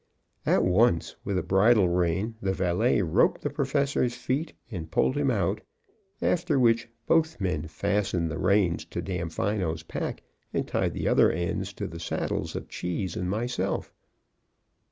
At once, with a bridle rein, the valet roped the Professor's feet and pulled him out, after which both men fastened the reins to Damfino's pack and tied the other ends to the saddles of Cheese and myself.